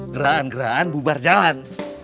gerahan gerahan bubar jalan